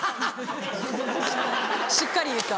しっかり言った。